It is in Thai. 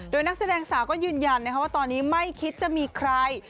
โดยนักแสดงสาวก็ยืนยันว่าตอนนี้ไม่คิดจะมีใคร